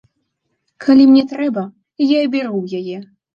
Калі мне трэба, я і бяру ў яе.